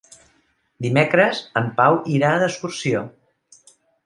Dimecres en Pau irà d'excursió.